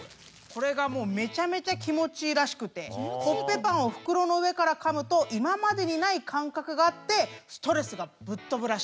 これがもうめちゃめちゃ気持ちいいらしくてコッペパンを袋の上からかむと今までにない感覚があってストレスがぶっ飛ぶらしい。